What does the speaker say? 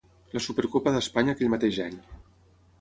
La Supercopa d'Espanya aquell mateix any.